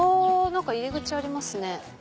入り口ありますね。